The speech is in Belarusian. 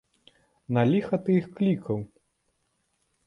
На ліха ты іх клікаў?